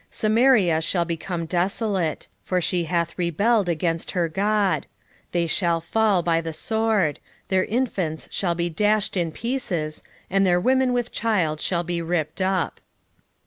13:16 Samaria shall become desolate; for she hath rebelled against her God: they shall fall by the sword: their infants shall be dashed in pieces, and their women with child shall be ripped up.